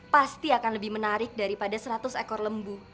pasti akan lebih menarik daripada seratus ekor lembu